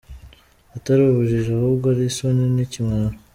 Atari ubujiji ahubwo ari isoni n’ikimwaro.